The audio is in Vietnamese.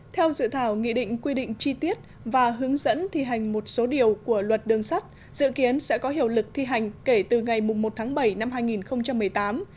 theo dự thảo nghị định quy định chi tiết và hướng dẫn thi hành một số điều của luật đường sắt dự kiến sẽ có hiệu lực thi hành kể từ ngày một tháng bảy năm hai nghìn một mươi tám